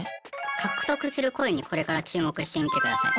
獲得するコインにこれから注目してみてください。